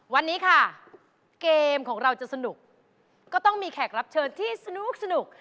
วันนี้ค่ะเกมของเราจะสนุกก็ต้องมีแขกรับเชิญที่สนุก